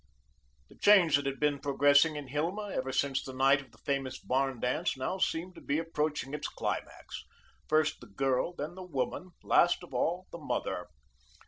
The change that had been progressing in Hilma, ever since the night of the famous barn dance, now seemed to be approaching its climax; first the girl, then the woman, last of all the Mother.